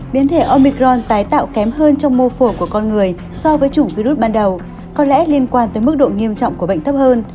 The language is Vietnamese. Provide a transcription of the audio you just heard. biến thể omicron tái tạo kém hơn trong mô phổ